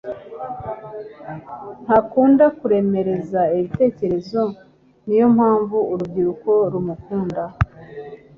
Ntakunda kuremereza ibitekerezo niyo mpamvu urubyiruko rumukunda